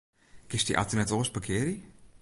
Kinst dy auto net oars parkearje?